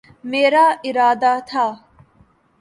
میرا ارادہ تھا